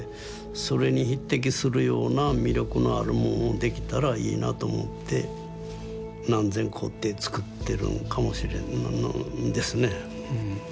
それに匹敵するような魅力のあるもんをできたらいいなと思って何千個って作ってるんかもしれんですね。